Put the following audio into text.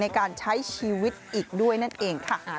ในการใช้ชีวิตอีกด้วยนั่นเองค่ะ